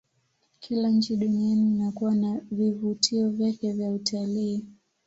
kila nchi duniani inakuwa na vivutio vyake vya utaliii